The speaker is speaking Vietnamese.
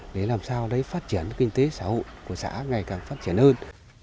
để làm sao phát triển kinh tế xã hội của xã ngày càng phát triển hơn